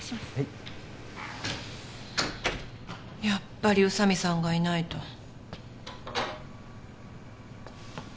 やっぱり宇佐見さんがいないと。